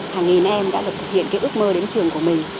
hàng nghìn em đã thực hiện ước mơ đến trường của mình